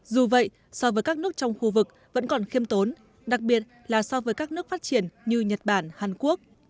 dù vậy so với các nước trong khu vực vẫn còn khiêm tốn đặc biệt là so với các nước phát triển như nhật bản hàn quốc